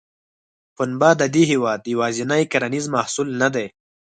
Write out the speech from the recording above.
پنبه د دې هېواد یوازینی کرنیز محصول نه دی.